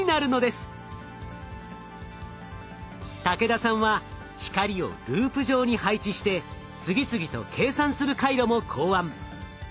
武田さんは光をループ上に配置して次々と計算する回路も考案。